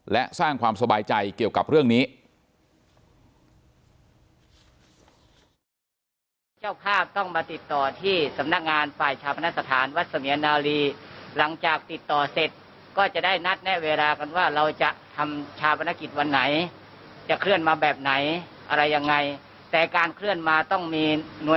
และสร้างความสบายใจเกี่ยวกับเรื่องนี้